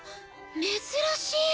珍しい！